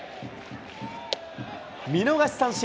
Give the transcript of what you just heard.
見逃し三振。